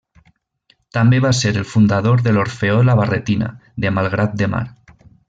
També va ser el fundador de l'Orfeó La Barretina, de Malgrat de Mar.